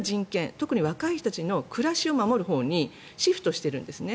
特に若い人たちの暮らしを守るほうにシフトしているんですね。